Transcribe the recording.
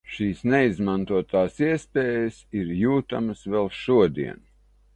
Šīs neizmantotās iespējas ir jūtamas vēl šodien.